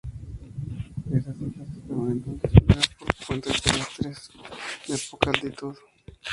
Esas islas estaban entonces unidas por puentes terrestres de poca altitud.